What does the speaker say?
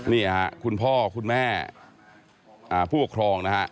นี่ค่ะคุณพ่อคุณแม่ผู้ปกครองนะฮะ